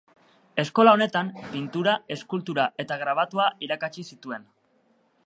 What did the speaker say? Eskola honetan pintura, eskultura eta grabatua irakatsi zituen.